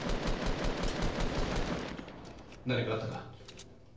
何かあったか？